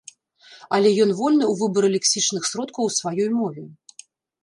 Але ён вольны ў выбары лексічных сродкаў у сваёй мове.